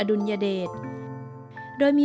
ออกรางวัลที่๖เลขที่๗